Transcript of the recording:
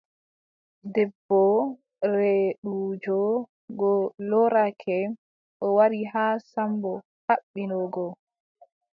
Debbo reeduujo go loorake, o wari haa Sammbo haɓɓino go.